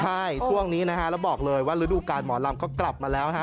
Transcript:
ใช่ช่วงนี้นะฮะแล้วบอกเลยว่าฤดูการหมอลำก็กลับมาแล้วฮะ